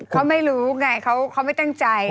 เขาไม่รู้ไงเขาไม่ตั้งใจ